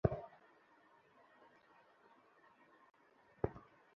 তুমি আমার সম্পর্কে অনেক কিছু জানো ওম।